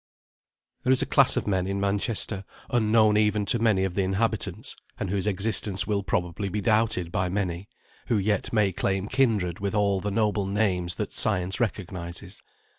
There is a class of men in Manchester, unknown even to many of the inhabitants, and whose existence will probably be doubted by many, who yet may claim kindred with all the noble names that science recognises.